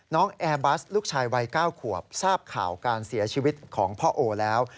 แอร์บัสลูกชายวัย๙ขวบทราบข่าวการเสียชีวิตของพ่อโอแล้ว